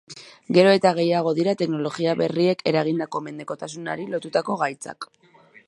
Gero eta gehiago dira teknologia berriek eragindako mendekotasunari lotutako gaitzak.